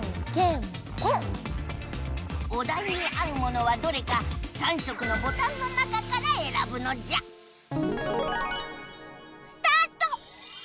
おだいに合うものはどれか３色のボタンの中からえらぶのじゃスタート！